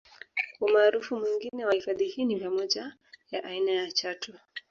Umaarufu mwingine wa hifadhi hii ni pamoja ya aina ya Chatu